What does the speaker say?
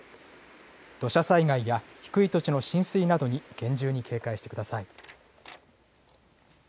土砂災害や低い土地の浸水などに厳重に警戒してください。